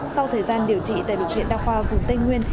sau thời gian điều trị tại bệnh viện đa khoa vùng tây nguyên